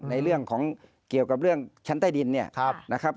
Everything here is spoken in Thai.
ในเรื่องของเกี่ยวกับเรื่องชั้นใต้ดินเนี่ยนะครับ